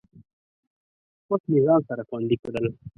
پټ مې ځان سره خوندي کړل